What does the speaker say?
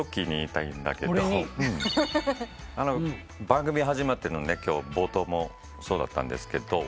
番組始まっての今日冒頭もそうだったんですが。